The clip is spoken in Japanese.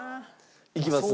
いきますね？